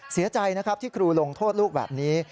เสียใจนะครับที่ครูลงโทษลูกแบบนี้